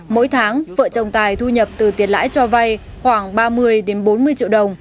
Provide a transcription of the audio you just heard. mỗi tháng vợ chồng tài thu nhập từ tiền lãi cho vay khoảng ba mươi đến bốn mươi triệu đồng